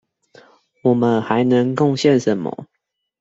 我們還能貢獻什麼？